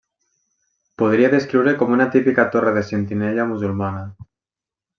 Podria descriure com una típica Torre de sentinella musulmana.